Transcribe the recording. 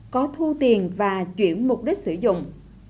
có thu tiền và chuyển mục đích sử dụng